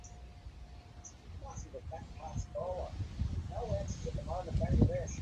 বিনয়ের মনে হইতেছে ঠিক এমনটি আর কখনো ঘটিয়াছে কি না সন্দেহ।